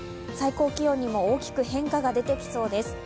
最高気温にも大きく変化が出てきそうです。